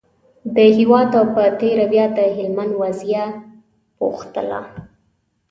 د هېواد او په تېره بیا د هلمند وضعه یې پوښتله.